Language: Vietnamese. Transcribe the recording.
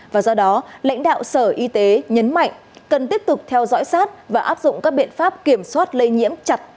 và do đó lãnh đạo sở y tế nhấn mạnh cần tiếp tục theo dõi sát và áp dụng các biện pháp kiểm soát lây nhiễm chặt